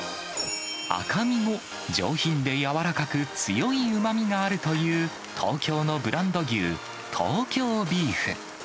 赤身も上品で柔らかく、強いうまみがあるという、東京のブランド牛、東京ビーフ。